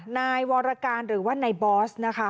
นายวรการหรือว่านายบอสนะคะ